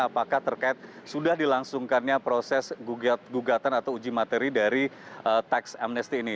apakah terkait sudah dilangsungkannya proses gugatan atau uji materi dari tax amnesty ini